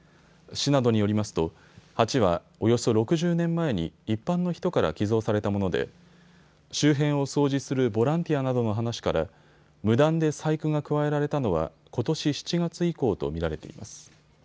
市などによりますと鉢はおよそ６０年前に一般の人から寄贈されたもので周辺を掃除するボランティアなどの話から無断で細工が加えられたのはことし７月以降と見られています。